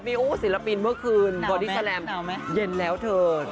มีโอ้ศิลปินเมื่อคืนบอดี้คาแรมเย็นแล้วเถิด